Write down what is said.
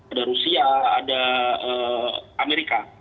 ada rusia ada amerika